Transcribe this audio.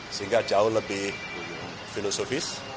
sehingga jauh lebih filosofis